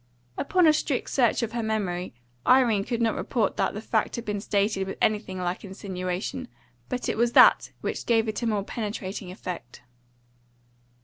Upon a strict search of her memory, Irene could not report that the fact had been stated with anything like insinuation, but it was that which gave it a more penetrating effect.